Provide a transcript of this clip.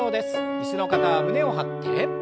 椅子の方は胸を張って。